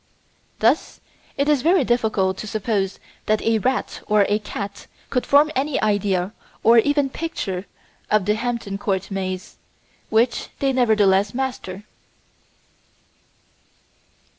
Thus it is very difficult to suppose that a rat or a cat could form any idea or even picture of the Hampton Court maze which they nevertheless master.